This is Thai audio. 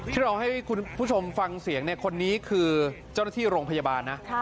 ที่เราให้คุณผู้ชมฟังเสียงคนนี้คือเจ้าหน้าที่โรงพยาบาลนะ